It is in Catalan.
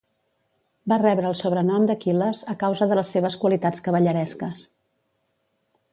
Va rebre el sobrenom d'Aquil·les a causa de les seves qualitats cavalleresques.